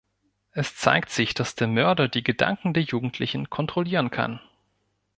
Es zeigt sich, dass der Mörder die Gedanken der Jugendlichen kontrollieren kann.